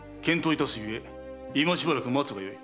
いたすゆえ今しばらく待つがよい。